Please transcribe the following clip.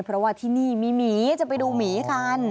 เพราะว่าที่นี่มีหมีจะไปดูหมีกัน